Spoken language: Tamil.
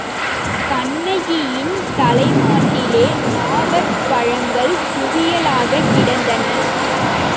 கண்ணகியின் தலைமாட்டிலே நாவற் பழங்கள் குவியலாகக் கிடந்தன.